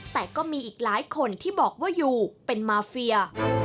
แต่ก็มีอีกหลายคนที่บอกว่ายูเป็นมาเฟีย